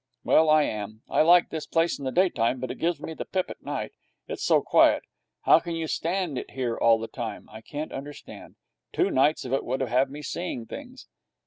'Well, I am. I like this place in the daytime, but it gives me the pip at night. It's so quiet. How you can stand it here all the time, I can't understand. Two nights of it would have me seeing things.'